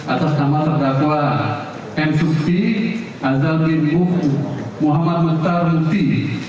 atas nama tertakwa m suski azalqin muhammad muttal ruti